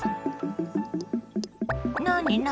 何何？